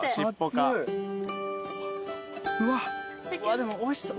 ・でもおいしそう。